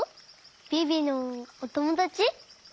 ビビのおともだち？